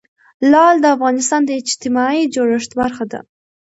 لعل د افغانستان د اجتماعي جوړښت برخه ده.